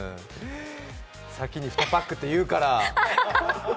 先に２パックって言うから！